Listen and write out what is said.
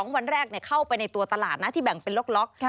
วันแรกเข้าไปในตัวตลาดนะที่แบ่งเป็นล็อก